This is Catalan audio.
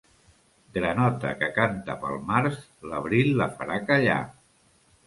Granota que canta pel març, l'abril la farà callar.